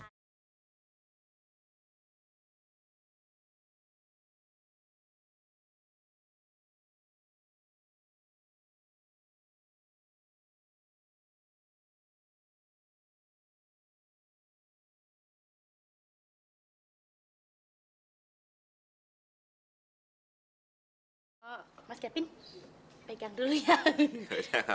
mas kevin pegang dulu ya